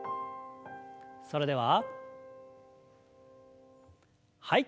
それでははい。